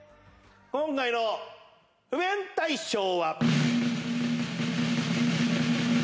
今回の不便大賞は。